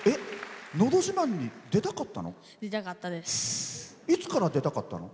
「のど自慢」に出たかったの？